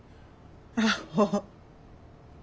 アホ。